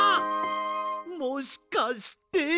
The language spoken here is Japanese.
もしかして。